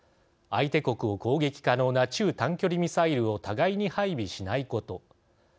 相手国を攻撃可能な中短距離ミサイルを互いに配備しないこと。